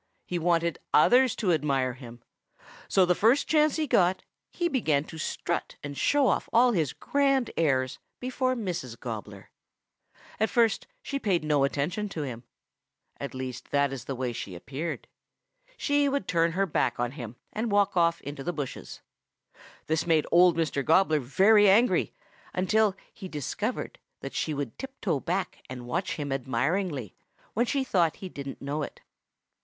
He wanted others to admire him. So the first chance he got he began to strut and show off all his grand airs before Mrs. Gobbler. At first she paid no attention to him. At least that is the way she appeared. She would turn her back on him and walk off into the bushes. This made Old Mr. Gobbler very angry until he discovered that she would tiptoe back and watch him admiringly when she thought he didn't know it.